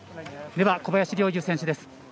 小林陵侑選手です。